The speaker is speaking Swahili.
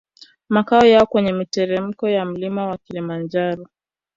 Makao yao kwenye miteremko ya mlima wa Kilimanjaro